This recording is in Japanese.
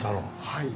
はい。